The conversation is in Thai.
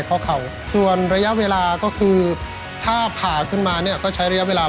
เพราะปกติเราจะซ้อมมันก็ใช้งานมันปกติ